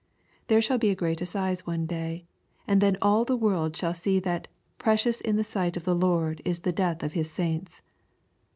There shall be a great assize one day, and then all the world shall see that " precious in the sight of the Lord is the death of his saints.''